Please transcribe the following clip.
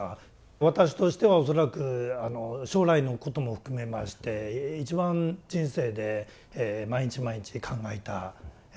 私としては恐らく将来のことも含めまして一番人生で毎日毎日で考えた悩んだ時期かなと思います。